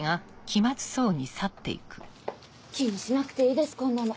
気にしなくていいですこんなの。